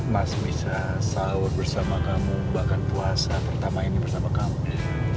mas bisa sahur bersama kamu bahkan puasa pertama ini bersama kamu